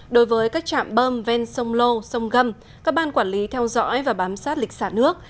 đối với các trạm bơm ven sông lô sông gâm các ban quản lý theo dõi và bám sát lịch xả nước